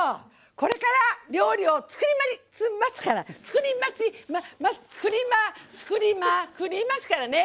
これから、料理を作りますから作りまくりますからね。